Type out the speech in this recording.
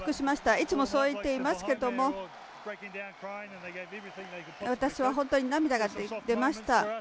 いつもそう言っていますけども私は本当に涙が出ました。